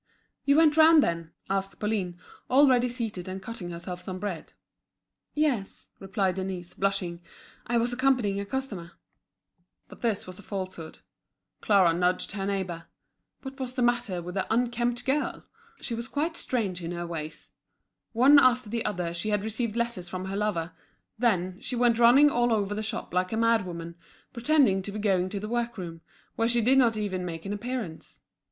"You went round, then?" asked Pauline, already seated and cutting herself some bread. "Yes," replied Denise, blushing, "I was accompanying a customer." But this was a falsehood. Clara nudged her neighbour. What was the matter with the "unkempt girl?" She was quite strange in her ways. One after the other she had received letters from her lover; then, she went running all over the shop like a madwoman, pretending to be going to the work room, where she did not even make an appearance.